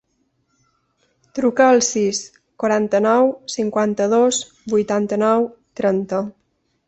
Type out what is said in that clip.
Truca al sis, quaranta-nou, cinquanta-dos, vuitanta-nou, trenta.